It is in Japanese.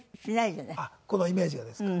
このイメージがですか？